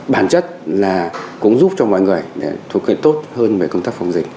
bản chất cũng giúp cho mọi người thuộc kết tốt hơn về công tác phòng dịch